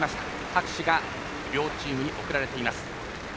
拍手が両チームに送られています。